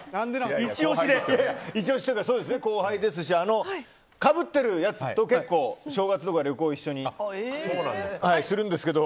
イチ押しというか、後輩ですしかぶってるやつと結構、正月とか旅行一緒にするんですけど。